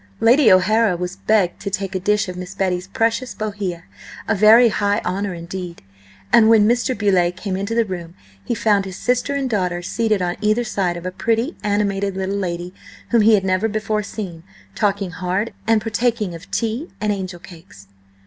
Lady O'Hara was begged to take a dish of Miss Betty's precious Bohea–a very high honour indeed–and when Mr. Beauleigh came into the room he found his sister and daughter seated on either side of a pretty, animated little lady whom he had never before seen, talking hard, and partaking of tay and angel cakes.